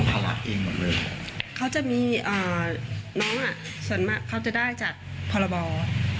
ครับเขาจะมีน้องอ่ะส่วนมากเขาจะได้จัดพาระบอบ